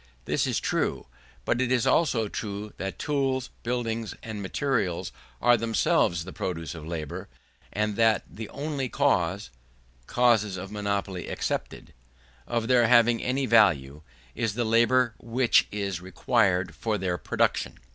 This is true; but it is also true that tools, buildings, and materials, are themselves the produce of labour; and that the only cause (cases of monopoly excepted) of their having any value, is the labour which is required for their production.